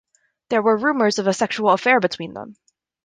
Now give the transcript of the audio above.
There were rumors of a sexual affair between them.